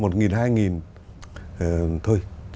một nghìn hai nghìn thôi